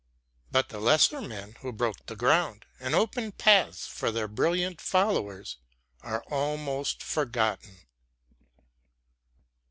But the lesser men who broke the ground and opened paths for their brilliant followers are almost forgotten.